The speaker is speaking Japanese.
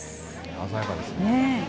鮮やかですね。